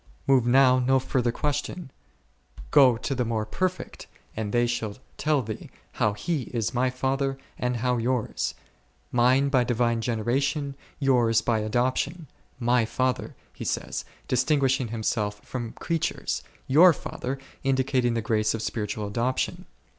Move now no further question, go to the more c o o perfect and they shall tell thee, how He is My Father and how yours ; Mine by divine generation, yours j by adoption : My Father, He says, distinguishing Him j self from creatures ; your Father, indicating the grace of spiritual adoption.